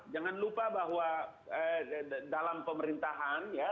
jangan lupa bahwa dalam pemerintahan ya